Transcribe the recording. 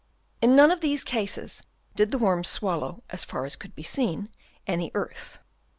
In none of these cases, did the worms swallow, as far as could be seen, any earth.